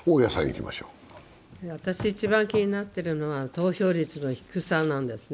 一番気になっているのは投票率の低さなんですね。